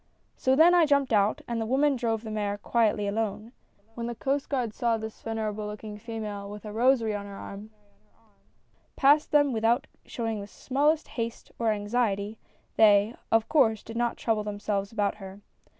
"So then I jumped out, and the woman drove the mare quietly alone. When the Coast Guard saw this venerable looking female — with her rosary on her arm — pass them without showing the smallest haste or anxiety, they, of course, did not trouble themselves about her.